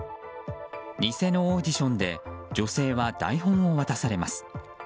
偽のオーディションで女性は台本を渡されます。